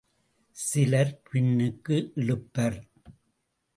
சிலர் பின்னுக்கு இழுப்பர்.